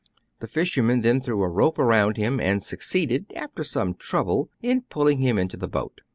The fishermen then threw a rope around him, and succeeded, after some trouble, in pulling him into the boat.